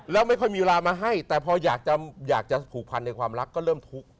แล้วไม่ค่อยมีเวลามาให้แต่พออยากจะผูกพันในความรักก็เริ่มทุกข์